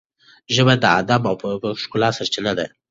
ژبه د ادب او ښکلا سرچینه ده.